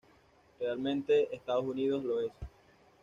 Realmente, Estados Unidos lo es".